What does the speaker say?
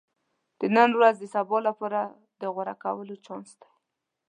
• د نن ورځ د سبا لپاره د غوره کولو چانس دی.